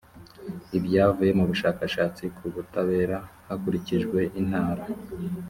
ibyavuye mu bushakashatsi ku butabera hakurikijwe intara